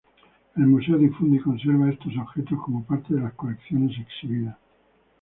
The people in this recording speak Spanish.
El Museo difunde y conserva estos objetos como parte de las colecciones exhibidas.